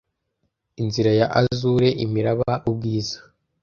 Inzira ya azure, imiraba, ubwiza,